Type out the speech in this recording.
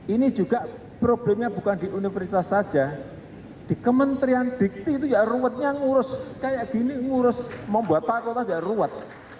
ini juga problemnya bukan di universitas saja di kementerian dikti itu ya ruwetnya ngurus kayak gini ngurus membuat pak kota ruwet